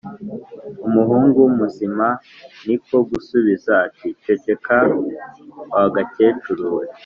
Umuhungu muzima ni ko gusubiza ati: ”Ceceka wa gakecuru we